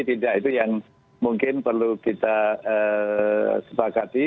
tidak itu yang mungkin perlu kita sepakati